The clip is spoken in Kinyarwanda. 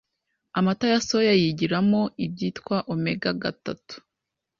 Amata ya soya yigiramo ibyitwa oméga-gatatu